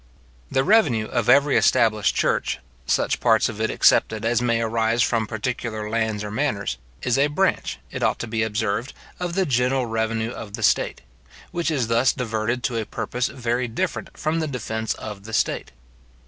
The revenue of every established church, such parts of it excepted as may arise from particular lands or manors, is a branch, it ought to be observed, of the general revenue of the state, which is thus diverted to a purpose very different from the defence of the state.